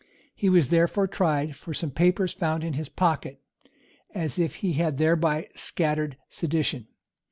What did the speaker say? He was therefore tried for some papers found in his pocket, as if he had thereby scattered sedition.